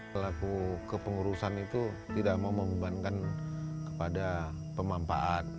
pelaku kepengurusan itu tidak mau membebankan kepada pemampaan